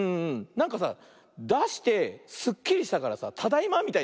なんかさだしてすっきりしたからさ「ただいま」みたいな。